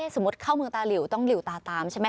สมมุติเข้าเมืองตาหลิวต้องหลิวตาตามใช่ไหม